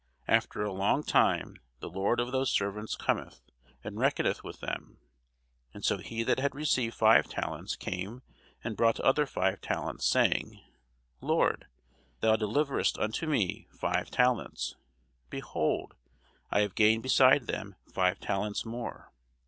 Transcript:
After a long time the lord of those servants cometh, and reckoneth with them. And so he that had received five talents came and brought other five talents, saying, Lord, thou deliveredst unto me five talents: behold, I have gained beside them five talents more.